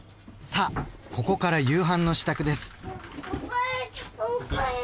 さあここから夕飯の支度です。